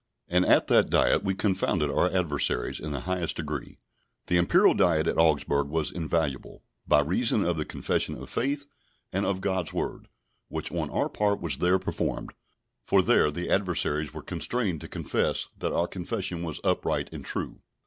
And at that Diet we confounded our adversaries in the highest degree. The Imperial Diet at Augsburg was invaluable, by reason of the Confession of Faith, and of God's Word, which on our part was there performed: for there the adversaries were constrained to confess that our Confession was upright and true.